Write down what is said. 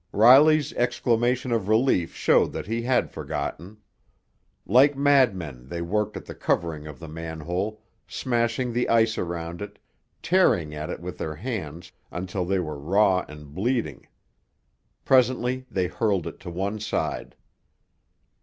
Riley's exclamation of relief showed that he had forgotten. Like madmen they worked at the covering of the manhole, smashing the ice around it, tearing at it with their hands until they were raw and bleeding. Presently they hurled it to one side.